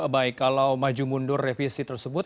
baik kalau maju mundur revisi tersebut